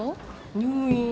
入院。